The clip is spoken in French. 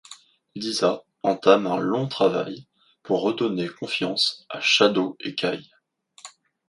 Lisa entame un long travail pour redonner confiance à Shadow et Kai.